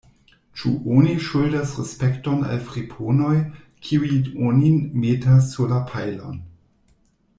Ĉu oni ŝuldas respekton al friponoj, kiuj onin metas sur la pajlon.